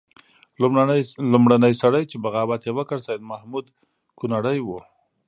لومړنی سړی چې بغاوت یې وکړ سید محمود کنړی وو.